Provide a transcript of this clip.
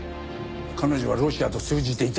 彼女はロシアと通じていた。